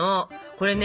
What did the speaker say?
これね